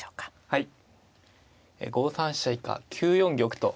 はい。